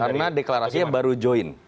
karena deklarasinya baru join